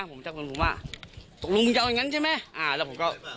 ผมชักเพลินผมว่าสกรุงมันเกาะอย่างนั้นใช่ไหม